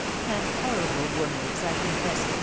. That horrible woman is, I confess it.